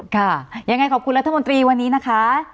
ค่ะยังไงขอบคุณรัฐมนตรีวันนี้นะคะ